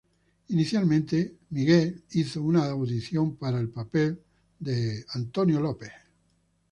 Inicialmente, Mitchell hizo una audición para el papel de Spencer Hastings.